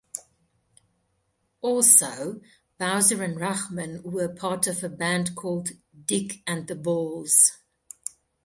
Also, Bowser and Rachman were part of a band called "Dick and the Balls".